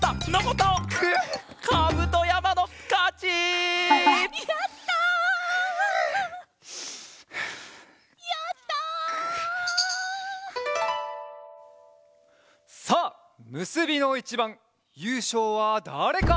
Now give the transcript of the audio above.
さあむすびのいちばんゆうしょうはだれか？